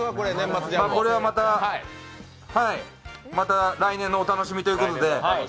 これはまた来年のお楽しみということで。